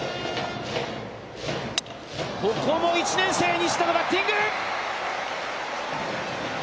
ここも１年生西田のバッティング。